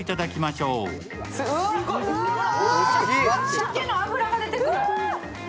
鮭の脂が出てくる！